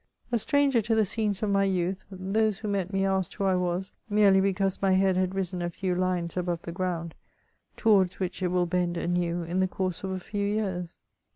A stranger to the scenes of my youth, those who met me asked who I was, merely because my head had risen a few hues above the ground, towards which it will bend anew in the course of a few years.